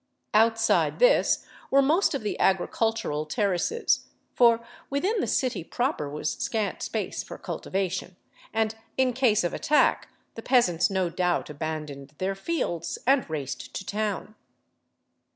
Outside this were most of the agricultural ter races, for within the city proper was scant space for cultivation, and in case of attack the peasants no doubt abandoned their fields and raced to town.